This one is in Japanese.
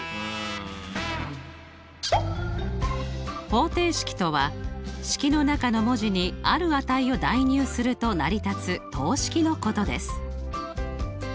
方程式とは式の中の文字にある値を代入すると成り立つ等式のことです。